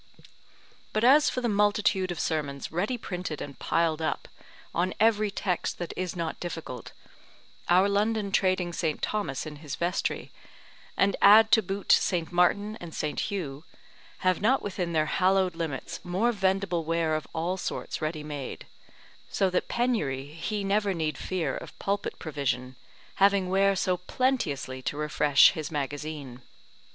But as for the multitude of sermons ready printed and piled up, on every text that is not difficult, our London trading St. Thomas in his vestry, and add to boot St. Martin and St. Hugh, have not within their hallowed limits more vendible ware of all sorts ready made: so that penury he never need fear of pulpit provision, having where so plenteously to refresh his magazine.